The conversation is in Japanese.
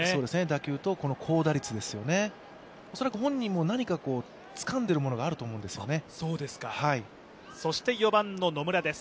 打球と、この高打率ですよね恐らく本人も何かつかんでいるものがあると思うんですよね。